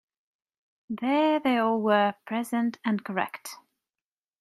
There they all were, present and correct.